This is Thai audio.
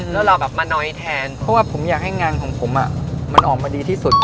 แล้วเราแบบมาน้อยแทนเพราะว่าผมอยากให้งานของผมมันออกมาดีที่สุด